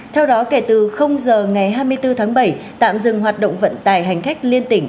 theo đó kể từ giờ ngày hai mươi bốn tháng bảy tạm dừng hoạt động vận tải hành khách liên tỉnh